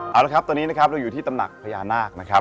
เอาละครับตอนนี้นะครับเราอยู่ที่ตำหนักพญานาคนะครับ